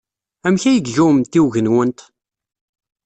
Amek ay iga wemtiweg-nwent?